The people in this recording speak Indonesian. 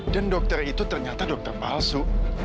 dan dokter itu ternyata dokter palsu